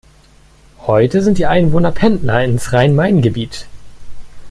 Heute sind die Einwohner Pendler ins Rhein-Main Gebiet.